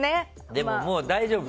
でも、もう大丈夫？